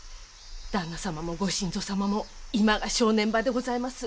旦那様もご新造様も今が正念場でございます。